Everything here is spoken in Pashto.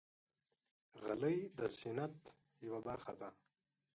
غلۍ د زینت یوه برخه ده.